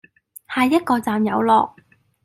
下一個站有落